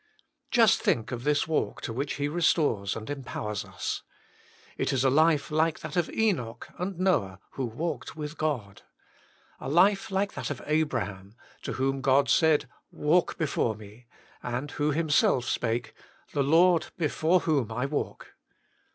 Just think of this walk to which He restores and empowers us. It is a life like that of Enoch and Noah, who "walked with God." A life like that of Abraham, to whom God said, " Walk before Me," and who himself spake, " The Lord before whom I walk."